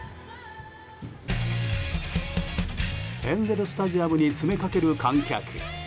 エンゼル・スタジアムに詰めかける観客。